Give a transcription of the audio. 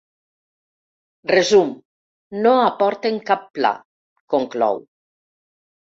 “Resum: no aporten cap pla”, conclou.